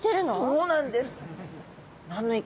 そうなんです。